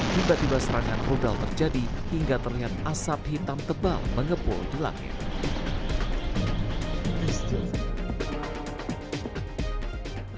tiba tiba serangan rudal terjadi hingga terlihat asap hitam tebal mengepul di langit